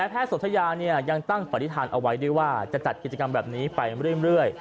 แพทย์สนทยายังตั้งปฏิฐานเอาไว้ด้วยว่าจะจัดกิจกรรมแบบนี้ไปเรื่อย